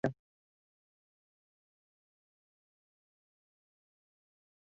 Es por ello que la película está llena de sexo sin penetración.